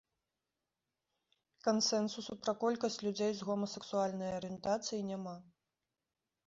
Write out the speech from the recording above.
Кансэнсусу пра колькасць людзей з гомасексуальнай арыентацыяй няма.